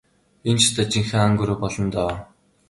Энэ ч ёстой жинхэнэ ан гөрөө болно доо.